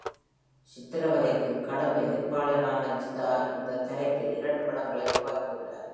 சித்திரவதைக்கு கடும் எதிர்ப்பாளரான ஜிதா இந்த தலைப்பில் இரண்டு படங்களை உருவாக்கியுள்ளார்.